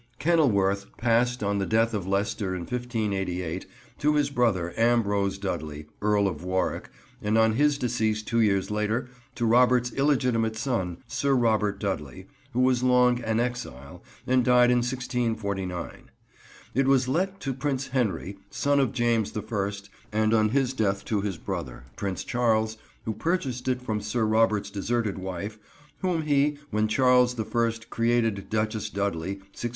Kenilworth passed on the death of Leicester in 1588, to his brother, Ambrose Dudley, Earl of Warwick, and on his decease, two years later, to Robert's illegitimate son, Sir Robert Dudley, who was long an exile, and died in 1649. It was let to Prince Henry, son of James the First, and on his death to his brother, Prince Charles, who purchased it from Sir Robert's deserted wife, whom he, when Charles the First, created Duchess Dudley, 1645.